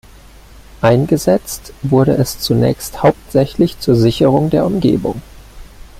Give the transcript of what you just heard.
Eingesetzt wurde es zunächst hauptsächlich zur Sicherung der Umgebung.